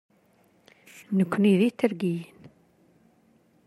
Nekni d Itergiyen.